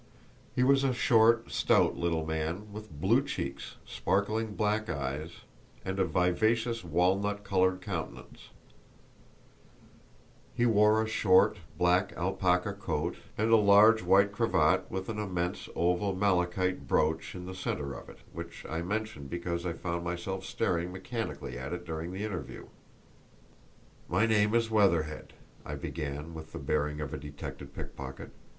He was a short, stout little man, with blue cheeks, sparkling black eyes, and a vivacious walnut coloured countenance; he wore a short black alpaca coat, and a large white cravat, with an immense oval malachite brooch in the centre of it, which I mention because I found myself staring mechanically at it during the interview. "My name is Weatherhead," I began with the bearing of a detected pickpocket.